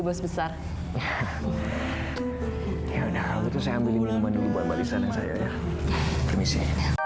besar ya udah aku ambil minuman dulu mbak lisa permisi